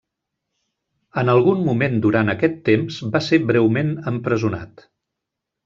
En algun moment durant aquest temps va ser breument empresonat.